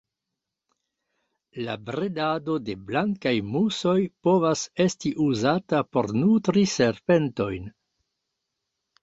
La bredado de blankaj musoj povas esti uzata por nutri serpentojn.